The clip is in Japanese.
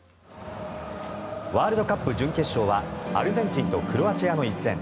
ワールドカップ準決勝はアルゼンチンとクロアチアの一戦。